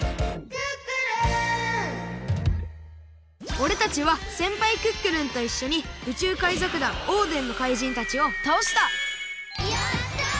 おれたちはせんぱいクックルンといっしょに宇宙海賊団オーデンのかいじんたちをたおしたやった！